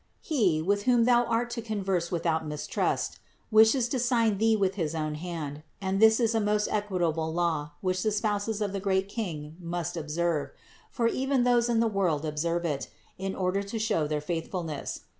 He, with whom thou art to con INTRODUCTION 13 verse without mistrust, wishes to sign thee with his own hand, and this is a most equitable law, which the spouses of the great King must observe; for even those in the world observe it, in order to show their faithfulness.